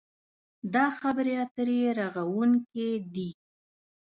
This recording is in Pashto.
دا خبرې اترې رغوونکې دي.